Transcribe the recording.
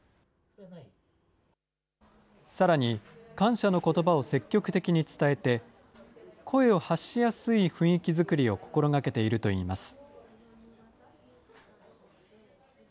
さらに、感謝のことばを積極的に伝えて、声を発しやすい雰囲気作りを心がけているといいます。